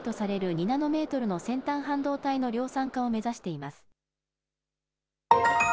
２ナノメートルの先端半導体の量産化を目指しています。